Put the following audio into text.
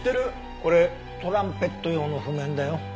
これトランペット用の譜面だよ。